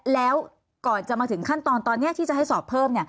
แล้วก่อนจะมาถึงขั้นตอนตอนนี้ที่จะให้สอบเพิ่ม